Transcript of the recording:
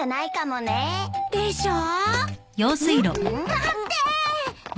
待って！